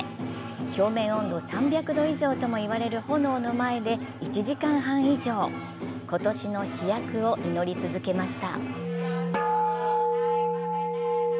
表面温度３００度以上ともいわれる炎の前で１時間半以上、今年の飛躍を祈り続けました。